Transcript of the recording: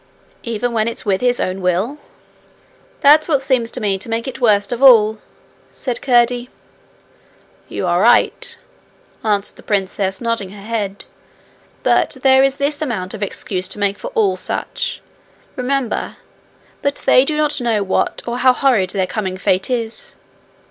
'Even when it's with his own will?' 'That's what seems to me to make it worst of all,' said Curdie. 'You are right,' answered the princess, nodding her head; 'but there is this amount of excuse to make for all such, remember that they do not know what or how horrid their coming fate is.